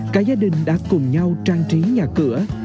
cả gia đình đã cùng nhau trang trí nhà cửa